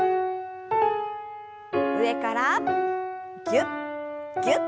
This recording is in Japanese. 上からぎゅっぎゅっと。